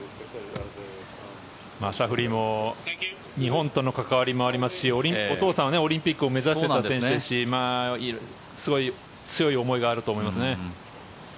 シャフリーも日本との関わりもありますしお父さんはオリンピックを目指していた選手でしたしすごい強い思いがあると思いますね。